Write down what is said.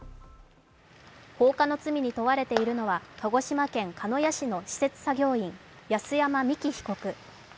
放火の罪に問われているのは鹿児島県鹿屋市の施設作業員安山みき被告。